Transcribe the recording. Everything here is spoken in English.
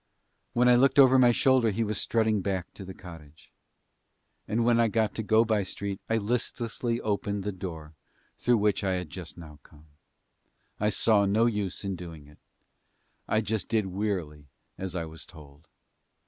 When I looked over my shoulder he was strutting back to the cottage. And when I got to Go by Street I listlessly opened the door through which I had just now come. I saw no use in doing it, I just did wearily as I was told.